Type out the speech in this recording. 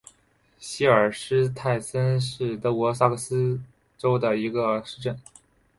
希尔施斯泰因是德国萨克森州的一个市镇。